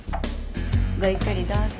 ごゆっくりどうぞ。